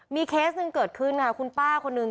มีเคสหนึ่งเกิดขึ้นค่ะคุณป้าคนนึง